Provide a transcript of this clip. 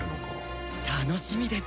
楽しみです。